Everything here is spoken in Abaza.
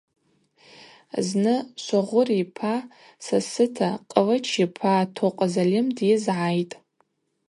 Зны Швогъвыр йпа сасыта Кълыч йпа Токъв-Зальым дйызгӏайтӏ.